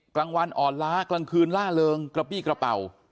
กลางวันอ่อนล้ากลางคืนล่าเริงกระบี้กระเป๋า